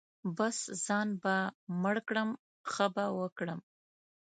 بـس ځان به مړ کړم ښه به وکړم.